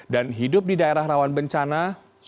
dan hidup di daerah rawan bencana